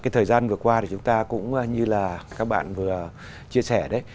thời gian vừa qua thì chúng ta cũng như là các bạn vừa chia sẻ đấy